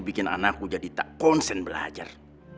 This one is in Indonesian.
bikin anakku jadi tak concern belajar